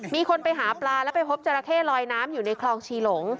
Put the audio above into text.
มีคนไปหาปลาแล้วไปพบจราเข้ลอยน้ำอยู่ในคลองชีหลง